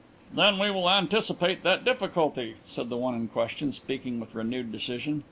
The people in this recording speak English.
"Then we will anticipate that difficulty," said the one in question, speaking with renewed decision.